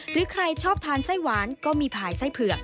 หรือใครชอบทานไส้หวานก็มีภายไส้เผือก